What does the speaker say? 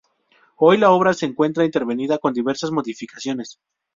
Hoy la obra se encuentra intervenida con diversas modificaciones.